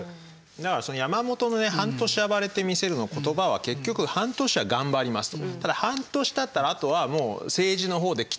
だから山本のね「半年暴れてみせる」の言葉は結局「半年は頑張ります」と。